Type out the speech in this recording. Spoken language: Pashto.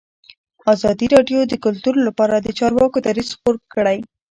ازادي راډیو د کلتور لپاره د چارواکو دریځ خپور کړی.